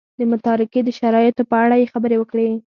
د متارکې د شرایطو په اړه یې خبرې وکړې.